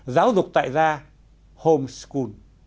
giáo dục tại gia home school